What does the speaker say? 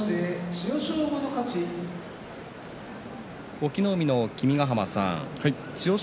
隠岐の海の君ヶ濱さん千代翔